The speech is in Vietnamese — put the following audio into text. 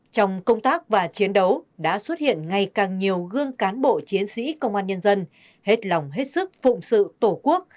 trong công tác và chiến đấu đã xuất hiện ngày càng nhiều gương cán bộ chiến sĩ công an nhân dân hết lòng hết sức phụng sự tổ quốc